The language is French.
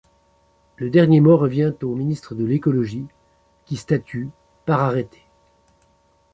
Le dernier mot revient au ministre de l'Écologie, qui statue par arrêté.